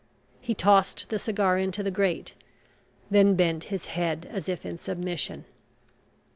He tossed the cigar into the grate, then bent his head as if in submission.